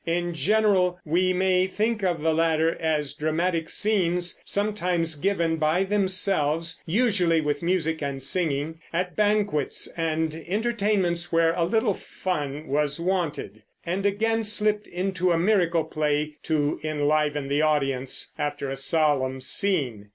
In general we may think of the latter as dramatic scenes, sometimes given by themselves (usually with music and singing) at banquets and entertainments where a little fun was wanted; and again slipped into a Miracle play to enliven the audience after a solemn scene.